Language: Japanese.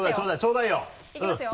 いきますよ？